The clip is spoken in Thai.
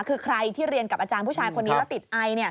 คือใครที่เรียนกับอาจารย์ผู้ชายคนนี้แล้วติดไอ